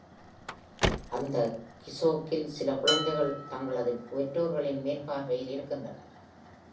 அந்த கிசோக்கில் சில குழந்தைகள் தங்களது பெற்றோர்களின் மேற்பார்வையில் இருக்கின்றனர்.